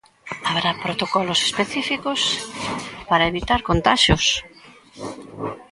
Haberá protocolos específicos para evitar contaxios.